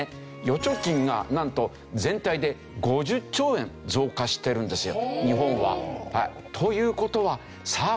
預貯金がなんと全体で５０兆円増加してるんですよ日本は。という事はさあ